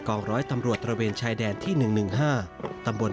กองร้อยตำรวจตระเวณชายแดนที่หนึ่งหนึ่งห้าตำบน